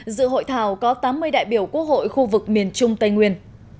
dự hội thảo có tám mươi đại biểu quốc hội khu vực miền trung tây nguyên